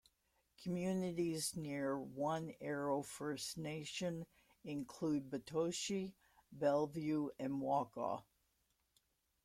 Communities near One Arrow First Nation include Batoche, Bellevue, and Wakaw.